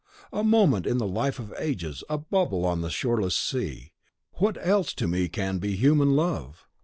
A moment in the life of ages, a bubble on the shoreless sea. What else to me can be human love?